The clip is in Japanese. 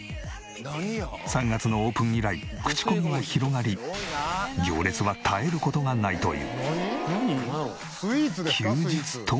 ３月のオープン以来口コミが広がり行列は絶える事がないという。